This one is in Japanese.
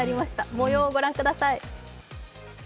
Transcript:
もようをご覧ください。